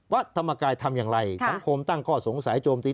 ธรรมกายทำอย่างไรสังคมตั้งข้อสงสัยโจมตี